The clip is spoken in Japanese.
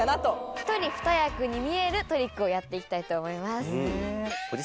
１人２役に見えるトリックをやっていきたいと思います。